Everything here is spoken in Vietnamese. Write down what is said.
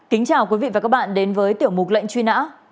kính chào quý vị và các bạn đến với tiểu mục lệnh truy nã